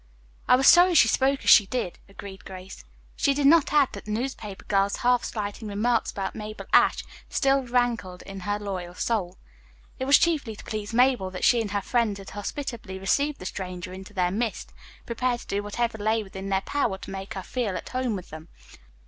"I was sorry she spoke as she did, too," agreed Grace. She did not add that the newspaper girl's half slighting remarks about Mabel Ashe still rankled in her loyal soul. It was chiefly to please Mabel that she and her friends had hospitably received this stranger into their midst, prepared to do whatever lay within their power to make her feel at home with them.